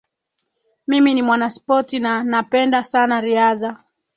Mimi ni mwanaspoti na napenda sana riadha.